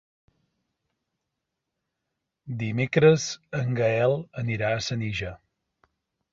Dimecres en Gaël anirà a Senija.